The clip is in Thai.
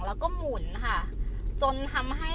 แล้วก็หมุนค่ะจนทำให้